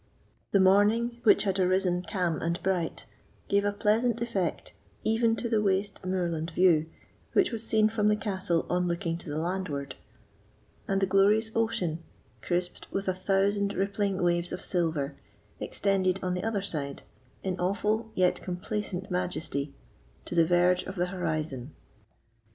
The morning, which had arisen calm and bright, gave a pleasant effect even to the waste moorland view which was seen from the castle on looking to the landward; and the glorious ocean, crisped with a thousand rippling waves of silver, extended on the other side, in awful yet complacent majesty, to the verge of the horizon.